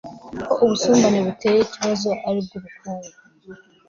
ko ubusumbane buteye ikibazo ari ubw'ubukungu